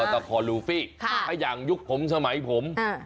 อัตราการ์ลูฟิค่ะพยายามยุคผมสมัยผมอะ